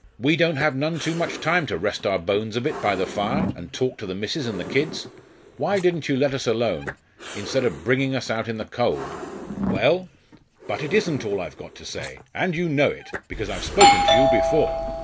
We don't have none too much time to rest our bones a bit by the fire, and talk to the missus and the kids. Why didn't you let us alone, instead of bringing us out in the cold?' "Well, but it isn't all I've got to say and you know it because I've spoken to you before.